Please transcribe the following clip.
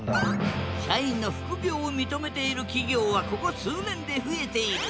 社員の副業を認めている企業はここ数年で増えている。